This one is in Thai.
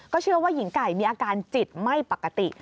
เชื่อว่าหญิงไก่มีอาการจิตไม่ปกติ